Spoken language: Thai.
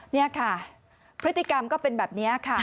นี่ค่ะพฤติกรรมก็เป็นแบบนี้ค่ะ